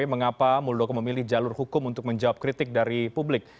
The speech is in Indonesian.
mengapa muldoko memilih jalur hukum untuk menjawab kritik dari publik